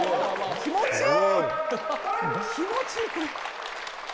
気持ち良い。